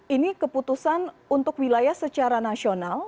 ini keputusan untuk wilayah secara nasional